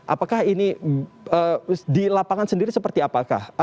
apakah ini di lapangan sendiri seperti apakah